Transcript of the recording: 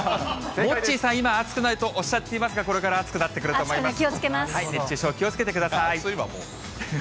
モッチーさん、今、暑くないとおっしゃっていますが、これから暑気をつけます。